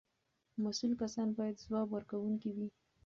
مسؤل کسان باید ځواب ورکوونکي وي.